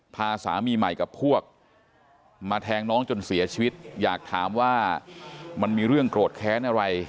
พาสามีใหม่กับพวกมาแทงน้องจนเสียชีวิตอยากถามว่ามันมีเรื่องโกรธแค้นอะไร